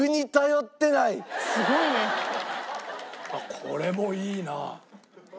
これもいい！